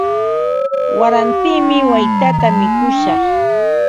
Warantimi waytata mikushaq.